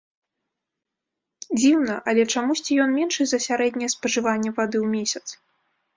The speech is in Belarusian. Дзіўна, але чамусьці ён меншы за сярэдняе спажыванне вады ў месяц.